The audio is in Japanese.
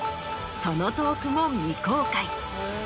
そのトークも未公開。